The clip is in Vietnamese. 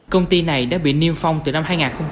công ty này đã bị niêm phong từ năm hai nghìn một mươi hai